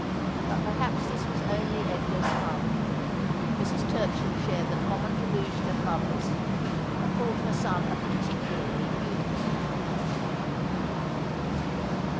But perhaps this was only Edgar's fun. Mrs. Turchill shared the common delu sion of mothers, and thought her son a particularly humorous young man.